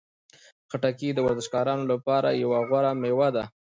خټکی د ورزشکارانو لپاره یوه غوره میوه ده.